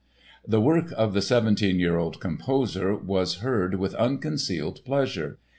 The work of the seventeen year old composer was heard with unconcealed pleasure.